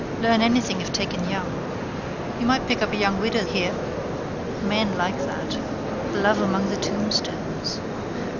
Learn anything if taken young. You might pick up a young widow here. Men like that. Love among the tombstones.